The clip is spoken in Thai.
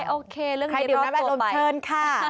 โอเคเรื่องนี้ดื่มน้ำอารมณ์เชิญค่ะ